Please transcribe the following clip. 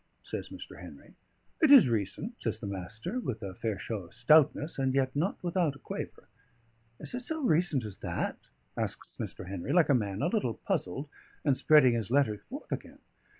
says Mr. Henry. "It is recent," says the Master, with a fair show of stoutness, and yet not without a quaver. "Is it so recent as that?" asks Mr. Henry, like a man a little puzzled, and spreading his letter forth again.